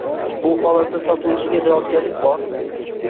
Bu holatda sotuvchiga javobgarlik bormi?